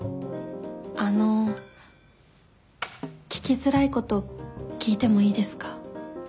あの聞きづらいこと聞いてもいいですか？